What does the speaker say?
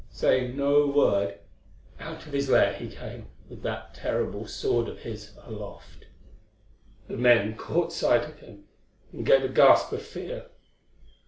Saying no word, out of his lair he came with that terrible sword of his aloft. The men caught sight of him, and gave a gasp of fear.